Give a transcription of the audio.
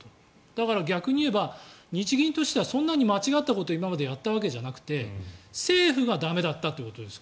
だから逆に言えば日銀としてはそんなに間違ったことを今までやったわけじゃなくて政府が駄目だったということです。